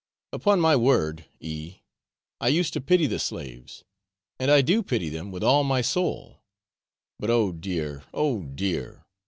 Upon my word, E , I used to pity the slaves, and I do pity them with all my soul; but oh dear! oh dear!